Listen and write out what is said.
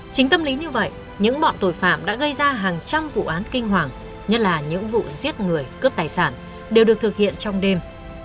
chính tâm lý như vậy những bọn tội phạm đã gây ra hàng trăm vụ án kinh hoàng nhất là những vụ giết người cướp tài sản đều được thực hiện trong đêm